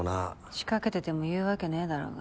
仕掛けてても言うわけねぇだろうが。